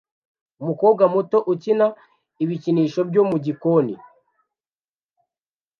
Umukobwa muto ukina ibikinisho byo mu gikoni